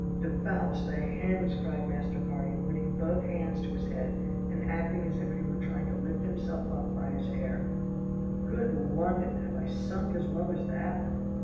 "Debauched the hens," cried Master Carty, putting both hands to his head, and acting as if he were trying to lift himself up by his hair, "Good London! have I sunk as low as that?"